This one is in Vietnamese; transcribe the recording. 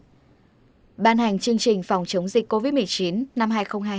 tp hcm bàn hành chương trình phòng chống dịch covid một mươi chín năm hai nghìn hai mươi hai hai nghìn hai mươi ba